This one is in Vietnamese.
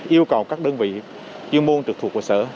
yêu cầu các đơn vị chuyên môn trực thuộc hồ sơ